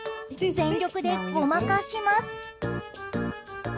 全力でごまかします。